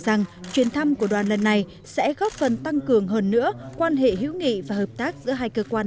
rằng chuyến thăm của đoàn lần này sẽ góp phần tăng cường hơn nữa quan hệ hữu nghị và hợp tác giữa hai cơ quan